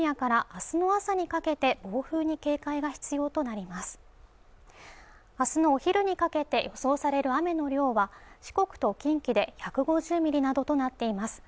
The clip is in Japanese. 明日のお昼にかけて予想される雨の量は四国と近畿で１５０ミリなどとなっています